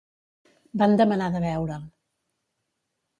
Van demanar de veure'l.